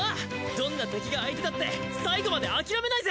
どんな敵が相手だって最後まで諦めないぜ。